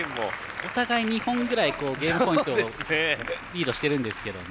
お互い２本ぐらいゲームポイントをリードしてるんですけどね。